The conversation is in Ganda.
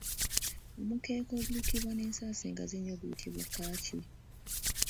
Omukeeka ogulukibwa n'ensansa engazi ennyo guyitibwa Ccaaci.